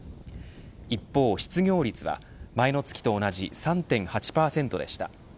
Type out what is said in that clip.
一方、失業率は前の月と同じ３．８％でした。